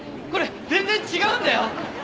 これ全然違うんだよ！